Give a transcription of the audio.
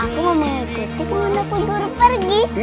aku mau mengikuti kemudahku guru pergi